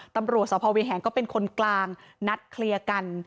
ตำรวจสพเวียแหงก็เป็นคนกลางนัดเคลียร์กัน